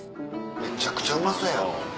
めちゃくちゃうまそうやん。